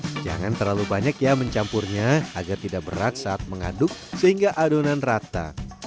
jangan terlalu banyak ya mencampurnya agar tidak berat saat mengaduk sehingga adonan rata